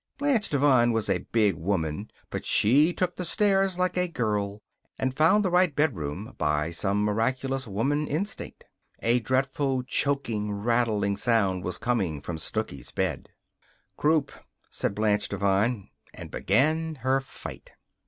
Blanche Devine was a big woman, but she took the stairs like a girl and found the right bedroom by some miraculous woman instinct. A dreadful choking, rattling sound was coming from Snooky's bed. "Croup," said Blanche Devine, and began her fight.